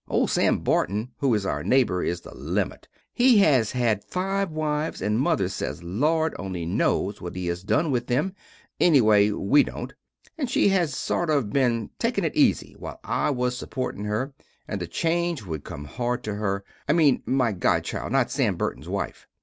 Old Sam Burton who is our naybor is the limit. He has had 5 wives and Mother sez Lord only nos what he has done with them, enneway we dont. And she has sort of been takin it ezy while I was suportin her and the change wood come hard to her, I mene my godchild not Sam Burton's wife.